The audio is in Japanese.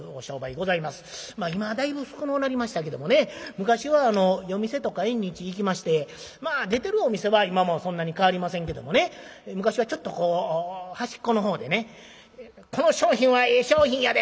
まあ今はだいぶ少のうなりましたけどもね昔は夜店とか縁日行きましてまあ出てるお店は今もそんなに変わりませんけどもね昔はちょっとこう端っこの方でね「この商品はええ商品やで。